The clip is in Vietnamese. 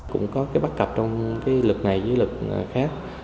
cũng có bắt cặp trong lực này với lực khác